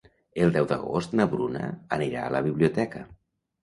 El deu d'agost na Bruna anirà a la biblioteca.